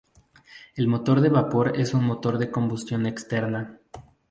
El motor de vapor es un motor de combustión externa.